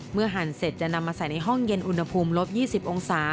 หั่นเสร็จจะนำมาใส่ในห้องเย็นอุณหภูมิลบ๒๐องศา